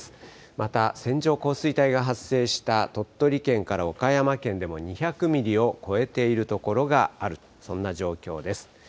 また、線状降水帯が発生した鳥取県から岡山県でも２００ミリを超えている所がある、そんな状況です。